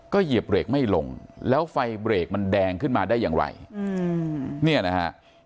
เหยียบเบรกไม่ลงแล้วไฟเบรกมันแดงขึ้นมาได้อย่างไรอืมเนี่ยนะฮะ